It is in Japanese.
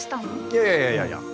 いやいやいやいやいや。